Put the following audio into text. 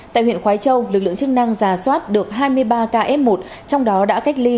tại huyện khói châu lực lượng chức năng giả soát được hai mươi ba ca f một trong đó đã cách ly